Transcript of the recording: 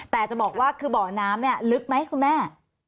แต่จะบอกว่าคือบ่อน้ำเนี่ยลึกไหมคุณแม่